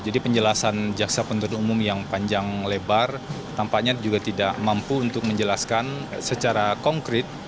jadi penjelasan jaksa penuntut umum yang panjang lebar tampaknya juga tidak mampu untuk menjelaskan secara konkret